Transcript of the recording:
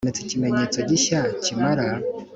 Habonetse ikimenyetso gishya kimara